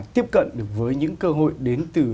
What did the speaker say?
tiếp cận được với những cơ hội đến từ